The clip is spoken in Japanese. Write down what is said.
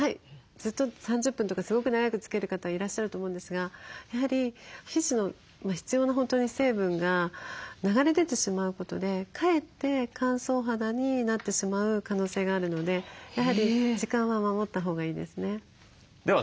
ずっと３０分とかすごく長くつける方いらっしゃると思うんですがやはり皮脂の必要な成分が流れ出てしまうことでかえって乾燥肌になってしまう可能性があるのでやはり時間は守ったほうがいいですね。